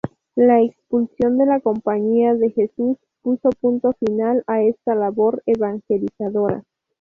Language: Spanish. La expulsión de la Compañía de Jesús puso punto final a esta labor evangelizadora.